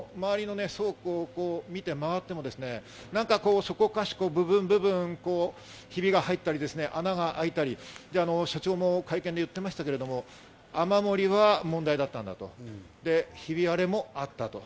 周りの倉庫を見ても何かそこかしこ、部分部分、ヒビが入ったり、穴が開いたり、社長も会見で言ってましたけど、雨漏りは問題だったんだと、ひび割れもあったと。